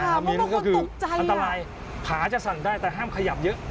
มันก็คืออันตรายพาจะสั่นได้แต่ห้ามขยับเยอะมันก็คืออันตรายผ่าจะสั่นได้แต่ห้ามขยับเยอะ